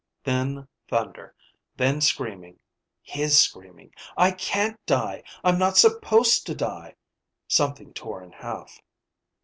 Then thunder. Then screaming, his screaming: I can't die! I'm not supposed to die! Something tore in half.)